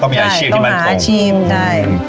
เขามีอาชีพที่มันคงใช่ต้องหาอาชีพใช่